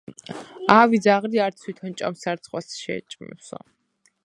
ავი ძაღლი არც თითონ შეჭამს, არც სხვას შეაჭმევსო.